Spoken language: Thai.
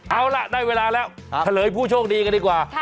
เอาล่ะได้เวลาแล้วเฉลยผู้โชคดีกันดีกว่า